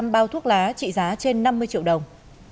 năm bao thuốc lá trị giá trên năm mươi triệu đồng